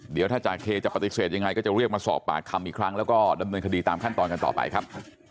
เดี๋ยวถ้าจาเคจะปฏิเสธยังไงก็จะเรียกมาสอบปากคำอีกครั้งแล้วก็ดำเนินคดีตามขั้นตอนกันต่อไปครับ